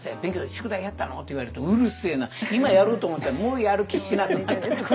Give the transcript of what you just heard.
宿題やったの？」って言われると「うるせえな今やろうと思ったのにもうやる気しなくなった」とか。